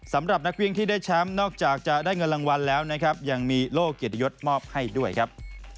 สำหรับนักวิ่งที่ได้แชมป์นอกจากจะได้เงินรางวัลแล้วนะครับยังมีโล่เกียรติยศมอบให้ด้วยครับ